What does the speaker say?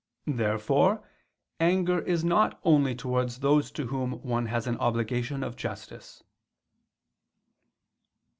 Therefore anger is not only towards those to whom one has an obligation of justice.